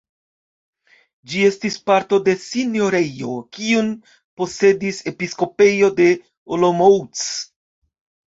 Ĝi estis parto de sinjorejo, kiun posedis episkopejo de Olomouc.